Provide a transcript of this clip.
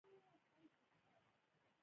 د کار پنځونې او بیو په ثبات کې غوره دی.